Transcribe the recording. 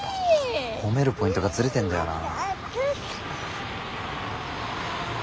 褒めるポイントがズレてんだよな。